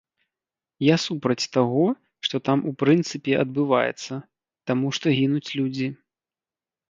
Я супраць таго, што там у прынцыпе адбываецца, таму што гінуць людзі.